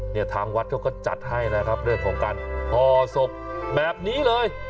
เนี่ยทางวัดเขาก็จัดให้นะครับเรื่องของการห่อศพแบบนี้เลย